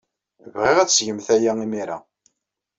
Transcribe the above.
Bɣiɣ ad tgemt aya imir-a.